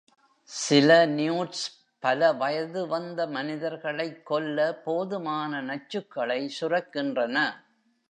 சில newts பல வயதுவந்த மனிதர்களைக் கொல்ல போதுமான நச்சுக்களை சுரக்கின்றன.